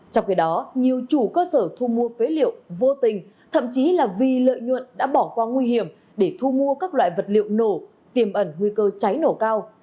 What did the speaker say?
trong khi đó nhiều chủ cơ sở thu mua phế liệu vô tình thậm chí là vì lợi nhuận đã bỏ qua nguy hiểm để thu mua các loại vật liệu nổ tiềm ẩn nguy cơ cháy nổ cao